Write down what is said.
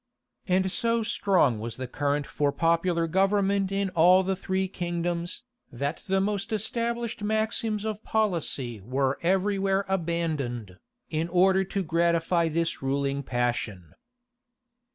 And so strong was the current for popular government in all the three kingdoms, that the most established maxims of policy were every where abandoned, in order to gratify this ruling passion.